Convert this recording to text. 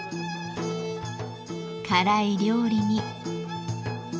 辛い料理に。